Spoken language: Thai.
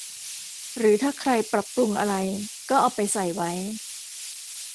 หรือถ้าใครปรับปรุงอะไร ก็เอาไปใส่ไว้